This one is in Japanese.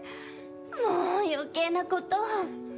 もう余計な事を！